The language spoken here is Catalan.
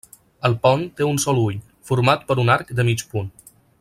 El pont té un sol ull, format per un arc de mig punt.